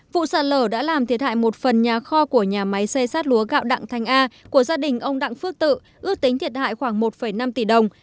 vụ sạt lở đã làm thiệt hại một phần nhà kho của nhà máy xây sát lúa gạo đặng thanh a của gia đình ông đặng phước tự ước tính thiệt hại khoảng một năm tỷ đồng